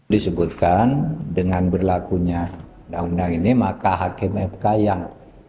disebutkan dengan berlakunya undang undang ini maka hakim mk yang